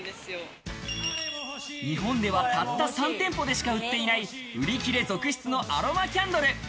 日本ではたった３店舗でしか売っていない売り切れ続出のアロマキャンドル。